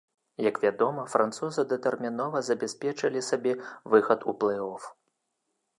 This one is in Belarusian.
Як вядома, французы датэрмінова забяспечылі сабе выхад у плэй-оф.